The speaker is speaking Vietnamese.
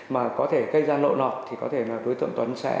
mà có thể cây ra nộ nọ thì có thể là đối tượng tuấn sẽ